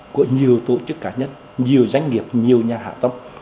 của nhiều tổ chức cá nhân nhiều doanh nghiệp nhiều nhà hạ tông